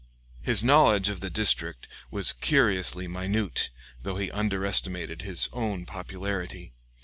His knowledge of the district was curiously minute, though he underestimated his own popularity.